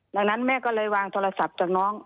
ดังนั้นแม่ก็เลยวางโทรศัพท์จากน้อง